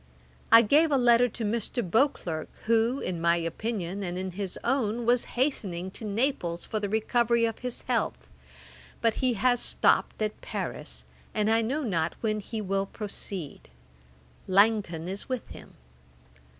I gave a letter to Mr. Beauclerk, who, in my opinion, and in his own, was hastening to Naples for the recovery of his health; but he has stopped at Paris, and I know not when he will proceed. Langton is with him.